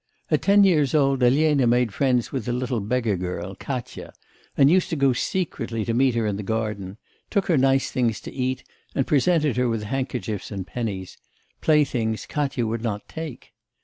At ten years old Elena made friends with a little beggar girl, Katya, and used to go secretly to meet her in the garden, took her nice things to eat, and presented her with handkerchiefs and pennies; playthings Katya would not take.